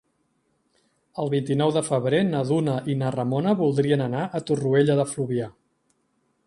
El vint-i-nou de febrer na Duna i na Ramona voldrien anar a Torroella de Fluvià.